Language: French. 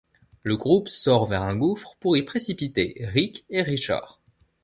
Le groupe sort vers un gouffre pour y précipiter Ric et Richard.